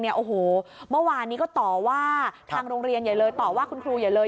เมื่อวานนี้ก็ต่อว่าทางโรงเรียนอย่าเลยต่อว่าคุณครูอย่าเลย